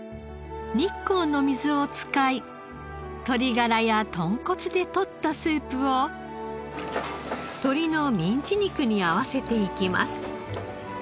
日光の水を使い鶏ガラや豚骨でとったスープを鶏のミンチ肉に合わせていきます。